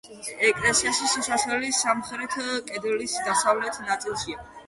ეკლესიაში შესასვლელი სამხრეთ კედლის დასავლეთ ნაწილშია.